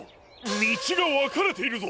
みちがわかれているぞ！